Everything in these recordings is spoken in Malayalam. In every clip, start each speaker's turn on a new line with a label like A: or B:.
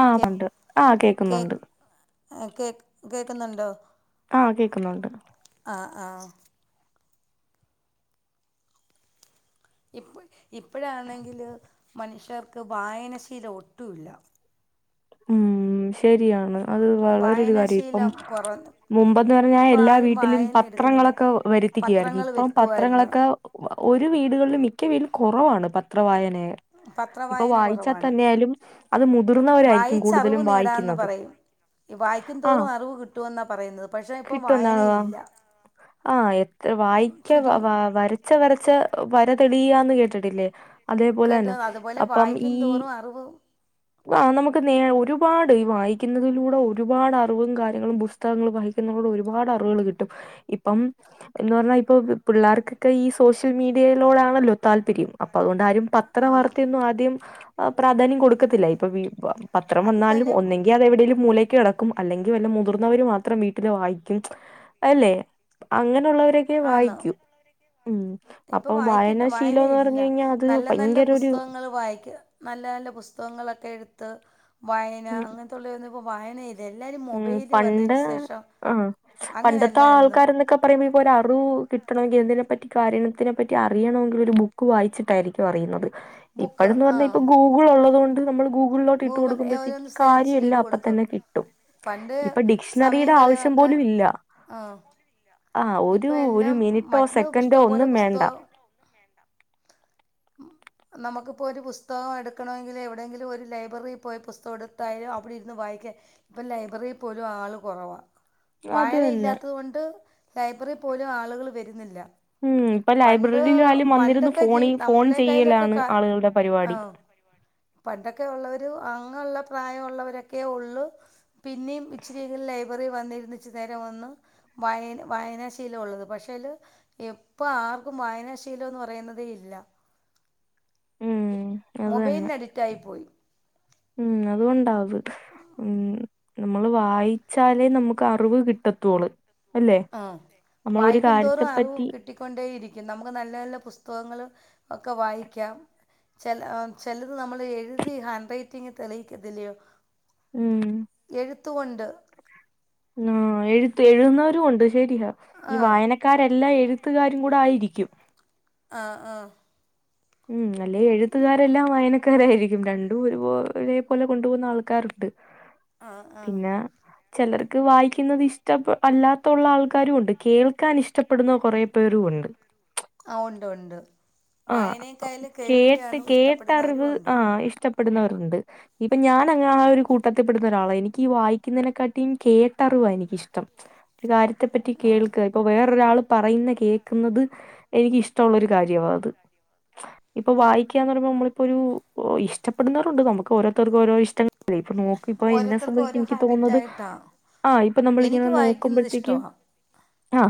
A: അ
B: കേ
A: ഉണ്ട് അ കേക്കുന്നുണ്ട്
B: അഹ് കേക് കേക്കുന്നുണ്ടോ?
A: ആഹ് കേക്കുന്നുണ്ട്
B: ആഹ് ആഹ് ഇപ്പ ഇപ്പഴാന്നെങ്കില് മനുഷ്യർക്ക് വായനശീലം ഒട്ടൂല്ലാ
A: ഊം ശെരിയാണ് അത് വളരെ ഒരു കാര്യാ ഇപ്പം
B: വായനാശീലം കുറ
A: മുമ്പന്ന് പറഞ്ഞാ
B: ഇപ്പം
A: എല്ലാ
B: ആരും
A: വീട്ടിലും
B: വായന എടുക്കുന്നില്ല
A: പത്രങ്ങളൊക്കെ വരുത്തിക്കുയാരുന്നു.
B: പത്രങ്ങൾ
A: ഇപ്പം
B: വരുത്തുമായിരുന്നു
A: പത്രങ്ങളൊക്കെ ഒരു വീടുകളിലും മിക്ക വീട്ട്ലും കാെറവാണ് പത്ര വായെനേ ഇപ്പൊ
B: പത്രവായന
A: വായിച്ചാ
B: കുറവാണ്
A: തന്നെയാലും അത് മുതിർന്നവരായിരിക്കും
B: വായിച്ചറിവ്
A: കൂടുതലും
B: നേടാമെന്ന്
A: വായിക്കുന്നത്
B: പറയും വായിക്കും
A: ആഹ്
B: തോറും അറിവ് കിട്ടുവെന്നാ പറയ്ന്നത് പക്ഷെ ഇപ്പം
A: കിട്ടുന്ന
B: വായനയില്ലാ
A: ആഹ് എത്ര വായിക്ക
B: ചുരുങ്ങി
A: വ വരച്ച്‌ വരച്ച് വര തെളിയാന്ന് കേട്ടിട്ടില്ലേ അതേപോലെ
B: കേട്ട
A: തന്ന
B: കേട്ട അതുപോലെ
A: അപ്പം ഈ
B: വായിക്കും തോറും അറിവ്
A: ആഹ് നമുക്ക് നേ ഒരുപാട് വായി ക്കിന്നതിലൂടെ ഒരുപാട് അർവും കാര്യങ്ങളും പുസ്തകങ്ങൾ വായിക്കുന്ന ഒടെ ഒരുപാട് അർവുകെൾ കിട്ടും ഇപ്പം എന്ന് പറഞ്ഞ ഇപ്പൊ പിള്ളാർക്ക് ക്കെ ഈ സോഷ്യൽ മീഡിയയിലോടാണല്ലോ താൽപര്യം. അപ്പൊ അഹ്കൊണ്ട് ആരും പത്ര വാർത്തയന്നും ആദ്യം അ പ്രാധാന്യം കൊടുക്കത്തില്ല. ഇപ്പൊ വീ പത്രം
B: അത്
A: വന്നാലും
B: തന്നെ
A: ഒന്നെങ്കി അതെവിടേലും മൂലേക്ക് കെടെക്കും അല്ലെങ്കി വെല്ല മുതിർന്നവര് മാത്രം വീട്ടില് വായിക്കും അല്ലേ അങ്ങെനെയുള്ളവരൊക്കെ വായിക്കൂ ഉം
B: ഇപ്പ
A: അപ്പം
B: വായിക്കെത്ത് വായന
A: വായനാശീലംന്ന്
B: ഇല്ല
A: പറഞ്ഞു കഴിഞ്ഞാൽ അത്
B: നല്ല നല്ല
A: ഭയങ്കര ഒരു
B: പുസ്തകങ്ങൾ വായിക്ക്‌കാ നല്ല നല്ല പുസ്തകങ്ങളൊക്കെ എട്ത്ത് വായന അങ്ങെൻത്തുള്ളെ ഒന്നും ഇപ്പ വായന ഇ
A: ഉം പണ്ട് ആ പണ്ടത്തെ
B: അങ്ങനെയല്ലായിരുന്നു
A: ആൾക്കാരന്നൊക്കെ പറയിമ്പെഴി പോലെ അർവ് കിട്ടണമെങ്കിൽ എന്തിനെപ്പറ്റി കാര്യത്തിനെപ്പറ്റി അറിയണോങ്കിൽ ഒരു ബുക്ക് വായിച്ചിട്ടായിരിക്കും അറിയിന്നെത്
B: ബുക്ക്
A: ഇപ്പഴെന്ന്
B: ആ
A: പർഞ്ഞാ ഇപ്പൊ ഗൂഗിളുള്ളത് കൊണ്ട് നമ്മള് ഗൂഗിൾലോട്ട് ഇട്ട്
B: ഗൂഗിൾ
A: കൊട്ക്കുമ്പഴ്ത്തേക്ക്
B: ഓരോന്ന് സെർച്ച്
A: കാര്യം
B: ചെയ്ത്
A: എല്ലാം അപ്പ
B: കൊടുക്കും
A: തന്നെ കിട്ടും
B: പണ്ട്
A: ഇപ്പം
B: സമയം
A: ഡിക്ഷ്ണറീടെ ആവശ്യം
B: കളയാനൊക്കെ
A: പോലും ഇല്ലാ
B: ആ
A: ആഹ് ഒരു
B: ഇപ്പം
A: ഒരു
B: എല്ലാം
A: മിനിട്ടോ
B: മറ്റന്ന്
A: സെക്കൻ്റോ
B: ഇഷ്ടം പോലെ
A: ഒന്നും വേണ്ട
B: പുസ്തകം നമ്ക്ക്പ്പോ ഒരു പുസ്തകം എടുക്കണമെങ്കില് എവിടെയെങ്കിലും ഒര് ലൈബ്രറീ പോയി പുസ്തകം എട്ത്തായാലും അവിടെ ഇര്ന്ന് വായിക്കാൻ പ്പ ലൈബ്രറീ പോലും ആള് കൊറവ
A: അത്
B: വായന
A: തന്നെ
B: ഇല്ലാത്തത് കൊണ്ട് ലൈബ്രറി പോലും ആൾകെൾ വെര്ന്നില്ല
A: ഉം ഇപ്പൊ
B: പണ്ട്
A: ലൈബ്രറിയിലാലും വന്നിരുന്ന്
B: പണ്ടൊക്കെ ജീ
A: ഫോണി ഫോൺ
B: നമ്മളേം കയ്യിലൊക്കെ
A: ചെയ്യലാണ്
B: കാ
A: ആളുകളുടെ പരിപാടി
B: ഓഹ് പണ്ടൊക്കെ ഉള്ളരു അങ്ങള്ള പ്രായവുള്ളവരൊക്കെ ഉള്ള് പിന്നിം ഇച്ചിരിയൊക്കെ ലൈബെറി വന്ന് ഇര്ന്ന് ഇച്ചിരി നേരം വന്ന് വായന വായനാശീലം ഒള്ളത്. പക്ഷേല് എ ഇപ്പോ ആർക്കും വായനാ ശീലോന്ന് പറയുന്നതേ ഇല്ല.
A: ഉം അത് തന്നെ
B: മൊബൈലിന് അഡിക്റ്റായി പോയി
A: ഉം അതുകൊണ്ടാത് ഉം നമ്മള് വായിച്ചാലേ നമുക്ക് അറിവ് കിട്ടത്തുള്ളു
B: ആ വായിക്കുന്തോറും അറിവ്
A: കാര്യത്തെപ്പറ്റി
B: കി കിട്ടിക്കൊണ്ടേഇരിക്കും നമുക്ക് നല്ല നല്ല പുസ്തകങ്ങൾ ഒക്കെ വായിക്കാം. ചില ചിലത് നമ്മൾ എഴുതി ഹാൻഡ് റൈറ്റിംഗ് തെളിയിക്കുല്ലയോ
A: ഉം
B: എഴുത്തുകൊണ്ട്
A: ആ എഴു എഴുുന്നവരും ഉണ്ട് ശരിയാ
B: ആ
A: ഈ വായന ക്കാരെല്ലാ എഴുത്തുകാരും കൂടെ ആയിരിക്കും.
B: ആ ആ
A: ഉം അല്ലെ എഴുത്തുകാരെല്ലാം വയന ക്കാരായിരിക്കും രണ്ടും ഒരു പോ ഒരേപോലെ കൊണ്ടുപോകുന്ന ആൾക്കാരുണ്ട്.
B: ആ ആ
A: പിന്നെ ചിലർക്ക് വായിക്കാ പിന്നത് ഇഷ്ടപെ അല്ലാത്തുള്ള ആൾക്കാരും ഉണ്ട് കേൾക്കാൻ ഇഷ്ടപ്പെടുന്ന കൊറെ പേരും ഉണ്ട്.
B: ആ ഒണ്ട്, ഒണ്ട്
A: ആ
B: വായനെക്കായാല്
A: കേട്ട് കേട്ടറിവ് ആ ഇഷ്ട്ട പെടുന്നവരുണ്ട് ഇപ്പൊ ഞാനങ്ങ ആ കൂട്ടത്തിപ്പെടുന്ന ഒരാള എനി ക്കി വായിക്കുന്നതിനെക്കാട്ടിയും കേട്ടറിവാ എനിക്കിഷ്ടം. ഒരു കാര്യത്തെ പറ്റി
B: ആ
A: കേൾക്ക. ഇപ്പൊ വേറൊരാള് പറയുന്ന കേക്കുന്നത് എനിക്കിഷ്ട്ടൊള്ളൊരു കാര്യവാ അത്. ഇപ്പൊ വായിക്കന്ന് പറയുമ്പോ നമ്മളിപ്പോരു ഇഷ്ടപ്പെടുന്നോരുണ്ട്. നമുക്ക് ഓരോത്തർക്കും ഓരോ ഇഷ്ട അല്ല ഇപ്പൊ നോക്കിപ്പൊ ഇന്നെ
B: ഓരോരുത്തർക്കും
A: സംബന്ധിച്ച്
B: ഓരോ
A: ഇനിക്ക് തോന്നത്.
B: ഹാബിറ്റായിട്ടാണ്
A: ആ ഇപ്പൊ നമ്മളിങ്ങനെ
B: എനിക്ക് വായിക്കുന്നത്
A: നോക്കുമ്പോത്തേക്കും
B: ഇഷ്ടമാണ്
A: ആ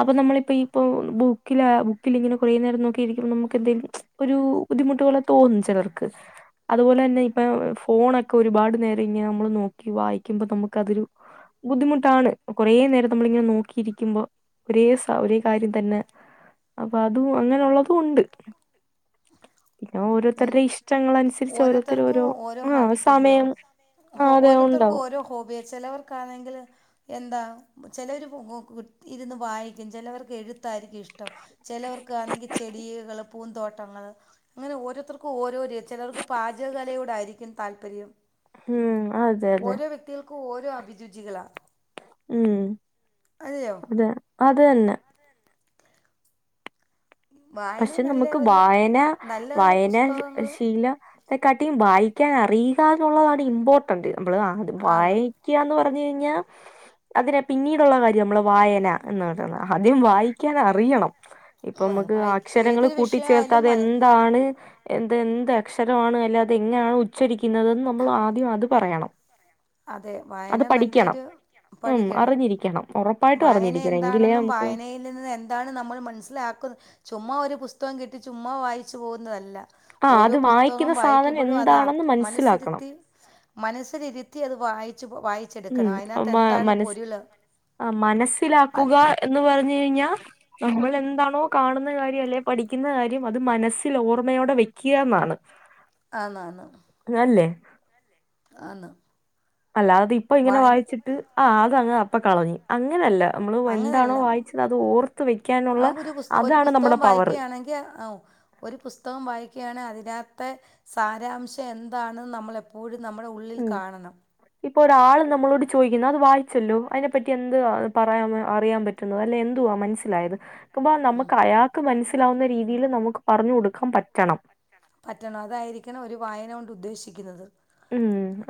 A: അപ്പൊ നമ്മളിപ്പോ ഇപ്പൊ ബുക്കില, ബുക്കിലിങ്ങനെ കൊറേ നേരം നോക്കിയിരിക്കുമ്പ നമുക്ക് എന്തെലും ഒരു ബുദ്ധിമുട്ടുകളെ തോന്നും ചിലർക്ക് അതുപോലെ തന്നെ ഇപ്പൊ ഫോണക്കെ ഒരുപാട് നേരം ഇങ്ങനെ നമ്മള് നോക്കി വായിക്കുമ്പോ നമുക്കതൊരു ബുദ്ധിമുട്ടാണ് കുറെേ നേരം നമ്മളിങ്ങനെ നോക്കിയിരിക്കുമ്പോ ഒരേ ഒരേ കാര്യം തന്നെ അപ്പ അതും അങ്ങനൊള്ളതും ഒണ്ട്.
B: എങ്
A: ഇഷ്ടങ്ങളനുസരിച്ച് ഓരോരുത്തര്
B: ഓരോത്തർക്കും ഓരോ
A: ആഹ്
B: ഹാബിറ്റല്ലയോ.
A: സമയം ആ
B: ഹോ
A: അതെ
B: ഓരോത്തർക്കും
A: ഉണ്ടാവും
B: ഓരോ ഹോബി ചെലവർക്കാണെങ്കിൽ എന്താ ചെലവര് കു, കു, കുത്തി ഇരുന്ന് വായിക്കും. ചെലവർക്ക് എഴ് താരിക്കും ഇഷ്ടം ചിലവർക്ക് ആണെങ്കി ചെടികള് പൂന്തോട്ടങ്ങൾ അങ്ങനെ ഓരോ ഓരോ ചിലർക്ക് പാചകലയോടായിരിക്കും താല്പര്യം
A: ഉം അതെ അതെ
B: ഓരോ വ്യക്തികൾക്കും ഓരോ അഭിരുചികളാ.
A: ഉം
B: അതെയോ
A: അത അത് തന്നെ.
B: വായന
A: പക്ഷെ
B: നല്ല
A: നമുക്ക്
B: ഒരു
A: വായന
B: നല്ല നല്ല
A: വായന
B: പുസ്തകങ്ങൾ
A: ശീലം ക്കാട്ടിയും വായിക്കാൻ അറിയുക എന്നുള്ളതാണ് ഇമ്പോർട്ടന്റ് നമ്മള്
B: ആന്ന്
A: വായി ക്യാന്ന് പറഞ് കഴിഞ്ഞാൽ അതിനെ പിന്നീടുള്ള കാര്യഅ നമ്മള് വായന എന്ന് പറയുന്നത് ആദ്യം വായിക്കാൻ അറിയണം ഇപ്പ മ്മക്ക് ആ
B: വായിക്ക
A: ക്ഷരങ്ങൾ
B: ഏതൊരു വിഷയമായാലും
A: കൂട്ടിച്ചേർത്താതെ
B: മല
A: എന്ത താണ് എന്ത്, എന്ത് അക്ഷര ആണ് അല്ല അത് ഇങ്ങണ് ഉച്ചരിക്കുന്നതെന്ന് നമ്മൾ ആദ്യം അത് പറയണം
B: അതെ
A: അത്
B: വായന
A: പഠിക്കണം
B: നല്ലൊരു
A: ഉം
B: പഠിക്കണം
A: അറിഞ്ഞിരിക്കണം ഉറപ്പായിട്ടും
B: വായന
A: അറിഞ്ഞിരിക്കണം എങ്കിലേ
B: എന്താണെന്നും
A: നമുക്ക്
B: വായനയിൽ അതിനിന്ന് എന്താണ് നമ്മൾ മനസ്സിലാക്കു ചുമ്മാ ഒരു പുസ്തകം കിട്ടി ചുമ്മാ വായിച്ചു പോകുന്നതല്ല.
A: ആ
B: ഓരോ
A: അത്
B: പുസ്തകം
A: വായിക്കുന്ന സാധനം
B: വായിക്കുമ്പോഴും അത് അർ
A: എന്താണെന്ന് മനസ്സിലാക്കണം
B: മനസ്സിരുത്തി മനസ്സിലിരുത്തി അത് വായിച്ച് വായി
A: ഉം മനസ് ആ
B: അത്
A: മനസ്സിലാക്കുക എന്ന് പറഞ്ഞു കഴിഞ്ഞാൽ നമ്മൾ എന്താണോ കാണുന്ന കാര്യം അല്ലെ പഠിക്കുന്ന കാര്യം അത് മനസ്സിൽ ഓർമ്മയോടെ വെക്കുയ ന്നാണ്
B: [unintelligible] ആ ന്നാ ന്ന്
A: ഞാ അല്ലേ.
B: ആണ്
A: അല്ലാതെ ഇപ്പ ഇങ്ങന വായിച്ചിട്ട് ആ അതങ്ങ് അപ്പ കളഞ്ഞ്. അങ്ങനെയല്ല നമ്മള് എന്താണോ
B: അങ്ങനെയല്ല
A: വായിച്ചത് അത് ഓർത്ത് വെക്കാനുള്ള അതാണ് നമ്മുടെ പവറ്
B: തിയ അത് ഒരു പുസ്തകം വായിക്കുകയാണെങ്ക അതിനകത്തെ സാരാംശം എന്താണെന്ന് നമ്മളെ പ്പോഴും നമ്മട ഉള്ളിൽ കാണണം.
A: ഇപ്പൊ ഒരാള് നമ്മളോട് ചോദിക്കുന്നു അത് വായിച്ചല്ലോ അയിനെപ്പറ്റി എന്ത് പറയാൻ അറിയാൻ പ അല്ല എന്തുവാ മനസ്സിലായത് കുമ്പ
B: ഉം
A: നമുക്ക് അയാക്ക് മനസ്സിലാവുന്ന രീതീല് നമുക്ക് പറഞ്ഞു കൊടുക്കാൻ പറ്റണം.
B: പറ്റണം അതായിരിക്കണം ഒരു വായന കൊണ്ട് ഉദ്ദേശിക്കുന്നത്.
A: ഉം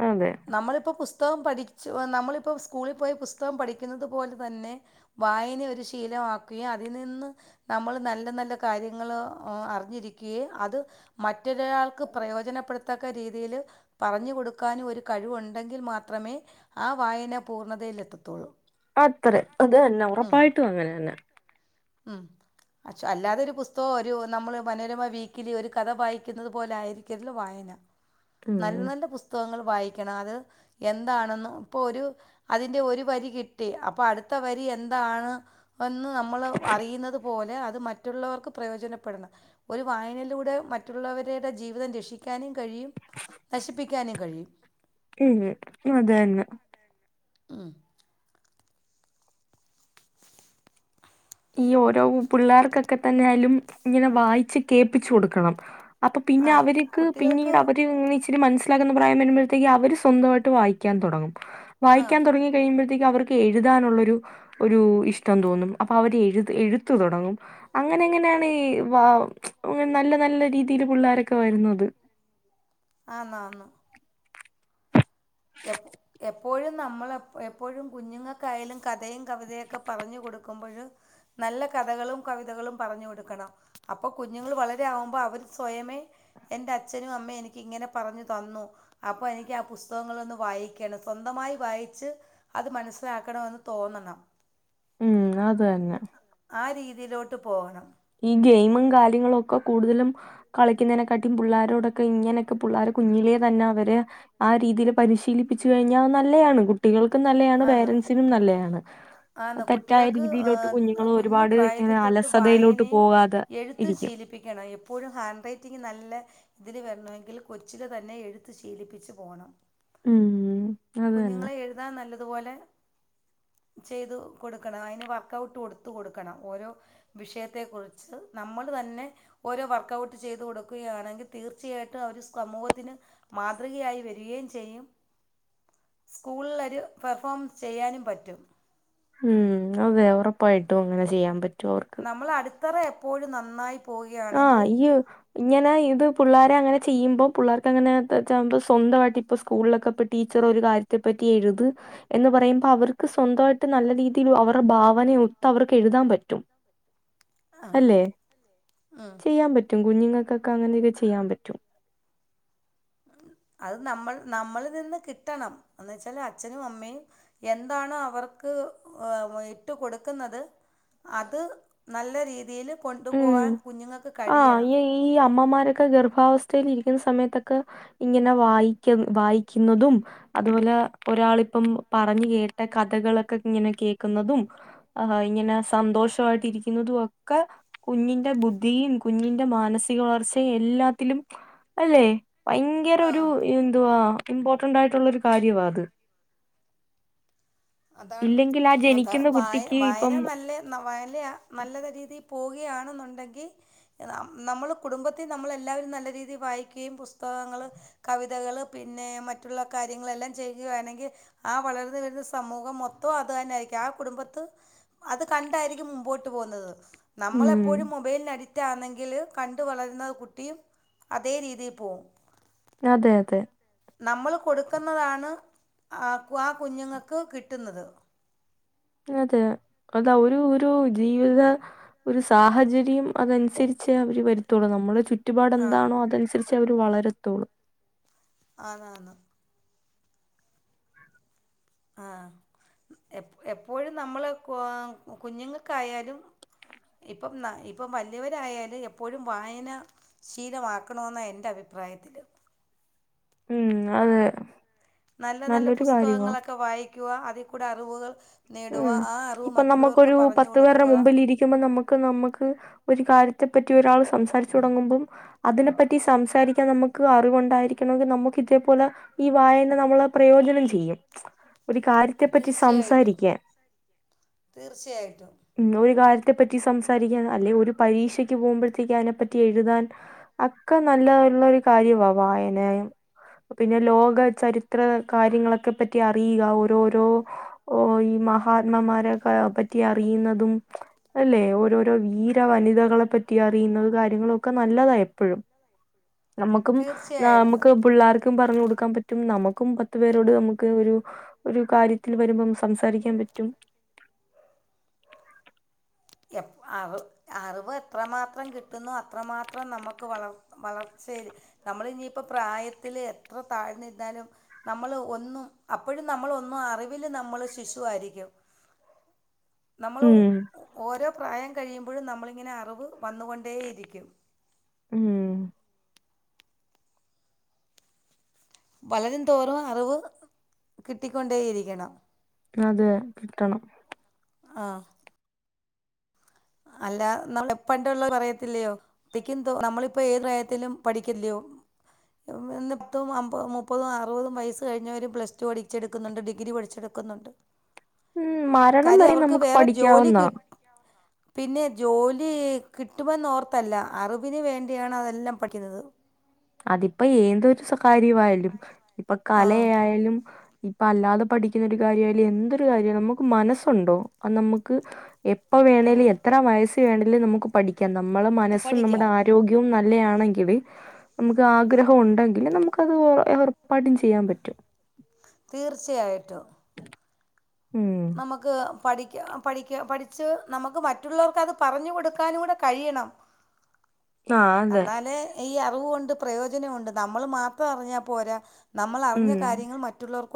A: അതെ
B: നമ്മളിപ്പോ പുസ്തകം പഠിച്ച് നമ്മളിപ്പോ സ്കൂളി പോയി പുസ്തകം പഠിക്കുന്നത് പോലെ തന്നെ വായന ഒരു ശീലമാക്കുകയും അതിൽ നിന്ന് നമ്മള് നല്ല നല്ല കാര്യങ്ങള് അറിഞ്ഞിരിക്യേ അത് മറ്റൊരാൾക്ക് പ്രയോജനപ്പെടുത്തക്ക രീതിയില് പറഞ്ഞു കൊടുക്കാനും. ഒരു കഴിവുണ്ടെങ്കിൽ മാത്രമേ ആ വായന പൂർണ്ണതയിലെത്തത്തുള്ളൂ
A: അത്രം അത് തന്ന ഉറപ്പായിട്ടും അങ്ങനെ തന്നാ.
B: ആഹ്. അശോ അല്ലാതെ ഒരു പുസ്തകോ ഒരു നമ്മള് മനോരമാ വീക്കിലി ഒരു കഥ വായിക്കുന്നത് പോലെആയിരിക്കര്ത് വായന. നല്ല,
A: ഉം
B: നല്ല പുസ്തകങ്ങൾ വായിക്കണം അത് എന്താണെന്ന് ഇപ്പൊ ഒരു അതിന്റെ ഒരു വരി കിട്ടി അപ്പൊ അടുത്ത വരി എന്താണ് ഒന്ന് നമ്മൾ അറിയുന്നത് പോലെ അത് മറ്റുള്ളവർക്ക് പ്രയോജനപ്പെടണം ഒരു വായനയിലൂടെ മറ്റുള്ളവരുടെ ജീവിതം രക്ഷി കഴിക്കാനും കഴിയും നശിപ്പിക്കാനും കഴിയും
A: അതനൊ
B: ആഹ്
A: ഈ ഓരോ പിള്ളേർക്കൊക്കെ തന്നെയാലും ഇങ്ങനെ വായിച്ച് കേപ്പിച്ചു കൊടുക്കണം അപ്പൊ പിന്നെ
B: ആ കു-
A: അവരിക്ക്
B: കുട്ടികൾക്ക്
A: പിന്നീട് അവര് ഒന്നിച്ച് രി മനസിലാക്കുന്ന പ്ര പറായം വരുമ്പോഴത്തേക്ക് അവര് സ്വന്തമായിട്ട് വായിക്കാൻ തുടങ്ങും
B: ആ
A: വായിക്കാൻ തുടങ്ങി കഴിയുമ്പോഴത്തേക്ക് അവർക്ക് എഴുതാനുള്ളരു ഒരു ഇഷ്ടം തോന്നും. അപ്പ അവര് എഴു എഴുത്തു തുടങ്ങും അങ്ങനെ ഇങ്ങനാണ് ഈ വ നല്ല, നല്ല രീതീല് പുള്ളാരൊക്കെ വരുന്നത്.
B: ആന്ന്, ആന്ന്. എപ് എപ്പോഴും നമ്മളെ എപ്പ, എപ്പോഴും കുഞ്ഞുങ്ങക്കായാലും കഥയും കവിതയൊക്കെ പറഞ്ഞു കൊടുക്കുമ്പഴ് നല്ല കഥകളും കവിതകളും പറഞ്ഞു കൊടുക്കണം. അപ്പൊ കുഞ്ഞുങ്ങൾ വളരെ ആവുമ്പോ അവര് സ്വയമേ എൻ്റെ അച്ഛനും അമ്മേം എനിക്കിങ്ങനെ പറഞ്ഞു തന്നു. അപ്പോ എനിക്ക് ആ പുസ് പുസ്തകങ്ങളൊന്ന് വായിക്കേല സ്വന്തമായി വായിച്ച് അത് മനസ്സിലാക്കണോന്ന് തോന്നണം.
A: ഉം അതന്നെ
B: ആ രീതിലോട്ട് പോകണം.
A: ഈ ഗെയിമും കാര്യങ്ങളുഒക്കെ കൂടുതലും കളിക്കുന്നതിനെക്കാട്ടി പിള്ളോരോടൊക്കെ ഇങ്ങനെയൊക്കെ പിള്ളേർ കുഞ്ഞിലേെ തന്നെ അവര്. ആ രീതിയില് പരിശീലിപ്പിച്ചു കഴിഞ്ഞാൽ നല്ലതാണ് കുട്ടികൾക്കും നല്ലയാണ്
B: ആന്ന്
A: പേരൻറ്സിനും നല്ലതാണ് ആ
B: ആന്ന്
A: തെറ്റായ
B: കുട്ടികൾക്ക്
A: രീതിയിലോട്ട് കുഞ്ഞുങ്ങൾ
B: കുഞ്ഞു
A: ഒരുപാട്
B: പ്രായത്തിൽ
A: ഇങ്ങനെ
B: തൊട്ട്
A: അലസതയിലോട്ട്
B: വായനേ
A: പോകാതെ
B: എഴുത്ത്
A: ഇരിക്കും
B: ശീലിപ്പിക്കണം എപ്പോഴും ഹാൻഡ് റൈറ്റിംഗ് നല്ല. ഇതില് വരണങ്കിൽ കൊച്ചില് തന്നെ എഴുത്ത്‌ ശീലിപ്പിച്ച് പോണം.
A: ഉം അത് തന്നെ
B: കുഞ്ഞുങ്ങളെ എഴുതാൻ നല്ലതുപോലെ ചെയ്തു കൊടുക്കണം അയിന് വർക്കൗട്ട് കൊടുത്തു കൊടുക്കണം ഓരോ വിഷയത്തെ കുറിച്ച് നമ്മള് തന്നെ.. ഓരോ വർക്കൗട്ട് ചെയ്ത് കൊടുക്കുകയാണെങ്കി തീർച്ചയായിട്ടും അവര് സമൂഹത്തിന് മാതൃകയായി വരികേം ചെയ്യും സ്കൂൾലെരു പെർഫോം ചെയ്യാനും പറ്റും.
A: ഉം അതെ ഉറപ്പായിട്ടും അങ്ങനെ ചെയ്യാൻ പ
B: നമ്മളെ അടിത്തറ എപ്പോഴും നന്നായ്
A: ആഹ് ഈയ്. ഇങ്ങനെ ഇത് പിള്ളേരെ അങ്ങനെ ചെയ്യുമ്പോം പിള്ളേർക്ക് അങ്ങനെ സ്വന്തമായിട്ട് ഇപ്പ സ്കൂളിലൊക്കെ... ടീച്ചർ ഒര് കാര്യത്തെ പറ്റി എഴുത്. എന്ന് പറയുമ്പോ അവർക്ക് സ്വന്തായിട്ട് നല്ല രീതിൽ അവരു ഭാവനയൊത്ത് അവർക്കെഴുതാൻ പറ്റും.
B: ആഹ് ആഹ്
A: യ്യാൻ പറ്റും കുഞ്ഞുങ്ങക്കൊക്കെ അങ്ങനെയൊക്കെ ചെയ്യാൻ പറ്റും.
B: അത് നമ്മൾ നമ്മളിൽ നിന്ന് കിട്ടണം എന്ന് വെച്ചാല് അച്ഛനും അമ്മെയും എന്താണോ അവർക്ക് എ വെ ഇട്ട് കൊട്ക്ക്ന്നത് അത് നല്ല രീതിയില് കൊണ്ട്
A: ഉം
B: പോവാൻ കുഞ്ഞുങ്ങക്ക്
A: ആഹ്
B: കഴിയണം
A: ഈ ഈ അമ്മമാരൊക്കെ ഗർഭാവസ്ഥയിൽ ഇരിക്കുന്ന സമയത്തൊക്കെ ഇങ്ങിനെ വായിക്കും വായിക്കുന്നതും അതുപോലെ ഒരാളിപ്പം പറഞ്ഞു കേട്ട കഥകളൊക്കെ ഇങ്ങനെ കേക്കുന്നതും ആഹ് ഇങ്ങനെ സന്തോഷവായി ട്ടിരിക്കുന്നതും ഒക്കെ. കുഞ്ഞിന്റെ ബുദ്ധിയും കുഞ്ഞിന്റെ മാനസിക വളർച്ചയും എല്ലാത്തിലും അല്ലെ ഭയങ്കര ഒരു
B: ആ
A: എന്തുവാ ഇമ്പോർട്ടന്റ് ആയിട്ടുള്ള ഒരു കാര്യമാത്
B: അതാണ്.
A: ഇല്ലെങ്കിൽ ആ
B: അതാ
A: ജനിക്കുന്ന
B: വായ
A: കുട്ടിക്ക്
B: വായന
A: ഇപ്പം
B: നല്ലേ [unintelligible] നല്ല രീതിയിൽ പോവുകയാണെന്നുണ്ടെങ്കി നമ്മള് കുടുംബത്തി നമ്മളെല്ലാവരും നല്ല രീതീ വായിക്കേയും പുസ്തകങ്ങള് കവിതകള് പിന്നെ മറ്റുള്ള കാര്യങ്ങളെല്ലാം ചെയ്യുകയാണെങ്കി ആ വളർന്ന് വരുന്നസ് സമൂഹം മൊത്തം അത് തന്നെയിരിക്കും ആ കുടുംബത്ത് അത് കണ്ടായിരിക്കും മുമ്പോട്ട് പോകുന്നത് നമ്മളെപ്
A: ഉം
B: ഒര് മൊബൈല്ന് അഡിക്റ്റ ആണെങ്കില് കണ്ട് വളരുന്ന കുട്ടിയും അതേ രീതിയിൽ പോവും.
A: അതെ അതെ
B: നമ്മൾ കൊടുക്കുന്നതാണ് ആഹ് ആഹ് കുഞ്ഞുങ്ങക്ക് കിട്ടുന്നത്
A: അതെ അതാ ഒരു ഒരു ജീവിത. ഒരു സാഹചര്യം അതൻസരിച്ചെ അവര് വരുത്തുള്ളൂ നമ്മള് ചു റ്റുപാട്
B: ആ
A: എന്താണോ അതനുസരിച്ച് അവര് വളരത്തോള്ളൂ.
B: ആന്നാന്ന് ആഹ് എപ് എപ്പോഴും നമ്മള് ക്വാ കുഞ്ഞ്ങ്ങക്കായാലും ഇപ്പം ഇപ്പം വലിയവരായാല് എപ്പോഴും വായന ശീലമാക്കണോന്ന എന്റെ അഭിപ്രായത്തില്.
A: ഉം അതെ
B: നല്ല നല്ല
A: നല്ലൊരു കാര്യവാ
B: പുസ്തകങ്ങളൊക്കെ വായിക്കുക അതിൽക്കൂടെ അറിവുകൾ. നേടുക
A: ഉം.
B: ആ അറിവ്
A: ഇപ്പം
B: മറ്റുള്ളവർക്ക്
A: നമുക്കൊരു
B: പറഞ്ഞു
A: പത്ത് പേരുടെ
B: കൊടുക്കുക
A: മുമ്പിരിക്കുമ്പോ നമ്മ ക്ക് ന്നമ്മക്ക് ഒരു കാര്യത്തെ പറ്റി ഒരാൾ സംസാരിച്ച് തുടങ്ങുമ്പം. അതിനെപ്പറ്റി സംസാരിക്കാൻ നമ്മ്ക്ക് അറിവുണ്ടായിരിക്കണമങ്കിൽ നമ്മക്ക് ഇതേപോലെ ഈ വായന ന്നമ്മള് പ്രയോജനം ചെയ്യും ഒര് കാര്യത്തെ പറ്റി
B: തീർച്ചയായിട്ടും
A: സംസാരിക്കാൻ.
B: തീർച്ചയായിട്ടും
A: ആ ഒര് കാര്യത്തെ പറ്റി സംസാരിക്കാന്അല്ലെ ഒരു പരീക്ഷയ്ക്ക് പോകുമ്പോഴത്തേക്ക് അയിനെപ്പറ്റി എഴുതാൻ. അക്കെ നല്ല ള്ളരു കാര്യവാ വായനയും പ്പൊ പിന്നെ ലോക ചരിത്ര കാര്യങ്ങളൊക്കെ പറ്റി അറിയ്ക ഓരോരോ ഓ ഈ മഹാത്മാമാരെക്കെ പറ്റി അറിയുന്നതും. അല്ലേ ഓരോരോ വീര വനിതകളെ പറ്റി അറിയുന്നത് കാര്യങ്ങളോക്കെ നല്ലതാ എപ്പഴും. നമ്മുക്കും നമുക്ക്
B: തീർച്ചയായിട്ടും
A: പിള്ളേർക്കും പറഞ്ഞു കൊടുക്കാൻ പറ്റും നമുക്കും പത്തു പേരോട് നമുക്ക് ഒരു.. ഒരു കാര്യത്തിൽ വരുംമ്പം സംസാരിക്കാൻ പറ്റും
B: എപ് അവ് അറിവ് എത്രമാത്രം കിട്ടുന്നു അത്രമാത്രം ന്നമക്ക് വളർത് വളർച്ചയില് നമ്മൾ ഇനി ഇപ്പ പ്രായത്തില് എത്ര താഴ്ന്ന് ഇരുന്നാലും.. ന്നമ്മൾ ഒന്ന് അപ്പോഴും ന്നമ്മളോന്ന് അറിവില് ന്നമ്മൾ ശിശുവായിരിക്കും. നമ്മളൊ
A: ഉം
B: പ്രായം കഴിയുമ്പോഴും ന്നമ്മളിങ്ങനെ അറിവ് വന്ന്കൊണ്ടേയിരിക്കും.
A: ഉം
B: വളരും തോറും അറിവ് കിട്ടിക്കൊണ്ടേയിരിക്കണം.
A: അതേ കിട്ടണം
B: ആഹ് അല്ല നാള പ്പണ്ടള്ള പറയത്തില്ലയോ ത്തിക്കെന്തോ നമ്മളിപ്പോ ഏ പ്രായത്തിലും പഠിക്കല്ലയോ ഇന്ന് [unintelligible] അമ്പത് മുപ്പതും അറുപതും വയസ് കഴിഞ്ഞവര് പ്ലസ് റ്റൂ പടിച്ചെട് ക്കുന്ന്ണ്ട് ഡിഗ്രി പഠിച്ചെടുക്കുന്നുണ്ട്
A: ഉം മരണം
B: കാര്യം
A: വരെ
B: അവർക്ക്
A: നമുക്ക്
B: വേറെ ജോലി
A: പഠിക്കാവുന്ന
B: കി പിന്നെ ജോലി കിട്ടുമെന്നൊർത്തല്ല. അറിവിന് വേണ്ടിയാണ് അതെല്ലാം പഠിക്കുന്നത്
A: അതിപ്പോ ഏതൊരു സ്വ കാര്യവായാലും ഇപ്പൊ
B: ആ
A: കലയായെലും ഇപ്പ അല്ലാതെ പഠിക്ക്ന്ന ഒരു കാര്യായാലും എന്തൊരു കാര്യാ നമുക്ക് മനസ്സുണ്ടോ അത് നമ്ക്ക് എപ്പ
B: ആ
A: വേണേലും എത്ര വയസ് വേണേലും നമുക്ക് പഠിക്കാം നമ്മളെ മനസും നമ്മടെ
B: പഠിക്കാം
A: ആ രോഗ്യവും നല്ലയാണെങ്കില് നമുക്ക് ആഗ്രഹം ഉണ്ടെങ്കിൽ നമുക്കത് ഉറപ്പായിട്ടും ചെയ്യാൻ പറ്റും
B: തീർച്ചയായിട്ടും.
A: ഉം
B: നമ്മക്ക് പഠിക്ക പഠിക്ക പഠിച്ച് നമ്ക്ക് മറ്റുള്ളവർക്കത് പറഞ്ഞ് കൊട്ക്കാനും കൂടെ കഴിയണം
A: ആഹ് അതെ
B: അന്നാലേ ഈ അറിവോണ്ട് പ്രയോജനംഉണ്ട് ന്നമ്മള് മാത്രം അറിഞ്ഞാ പോരാ. നമ്മളർഞ്ഞ
A: ഉം
B: കാര്യങ്ങള് മറ്റുള്ളോർ